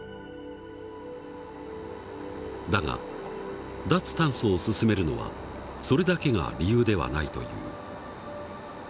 だが脱炭素を進めるのはそれだけが理由ではないという。